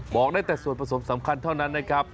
บอกได้แต่ส่วนผสมสำคัญเท่านั้นนะครับ